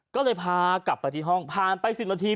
ก็เลยพากลับไปที่ห้องผ่านไป๑๐นาที